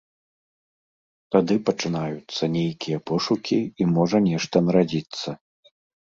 Тады пачынаюцца нейкія пошукі і можа нешта нарадзіцца.